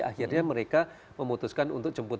akhirnya mereka memutuskan untuk jemput